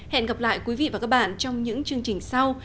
hẹn gặp lại quý vị và các bạn trong những chương trình sau